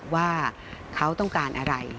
ว่าเขาต้องการอะไร